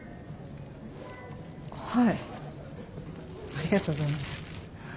ありがとうございます。